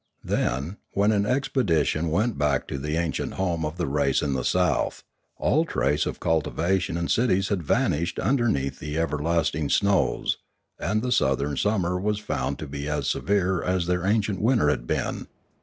Then, when an expedition went back to the ancient home of the race in the south, all trace of cultivation and cities had vanished underneath the everlasting snows, and the southern summer was found to be as severe as their ancient winter had been.